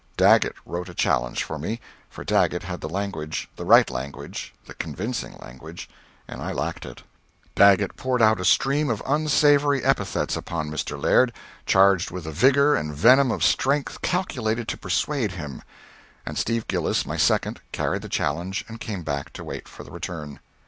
Daggett wrote a challenge for me, for Daggett had the language the right language the convincing language and I lacked it. Daggett poured out a stream of unsavory epithets upon Mr. Laird, charged with a vigor and venom of a strength calculated to persuade him; and Steve Gillis, my second, carried the challenge and came back to wait for the return.